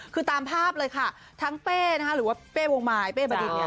คือตามภาพเลยค่ะทั้งเป้นะคะหรือว่าเป้วงมายเป้บดินเนี่ย